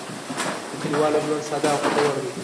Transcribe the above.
د کلیوالو ژوند ساده او خوندور دی.